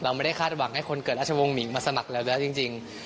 ไม่ได้คาดหวังให้คนเกิดราชวงศ์หิงมาสมัครแล้วจริง